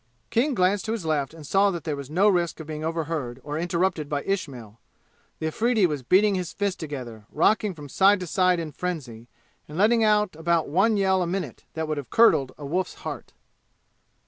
King glanced to his left and saw that there was no risk of being overheard or interrupted by Ismail; the Afridi was beating his fists together, rocking from side to side in frenzy, and letting out about one yell a minute that would have curdled a wolf's heart.